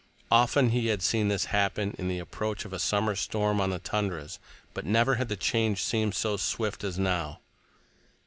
Often he had seen this happen in the approach of summer storm on the tundras, but never had the change seemed so swift as now.